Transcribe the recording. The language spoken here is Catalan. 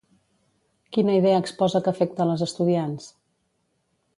Quina idea exposa que afecta les estudiants?